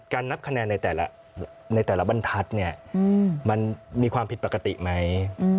นับคะแนนในแต่ละบรรทัศน์เนี่ยมันมีความผิดปกติไหม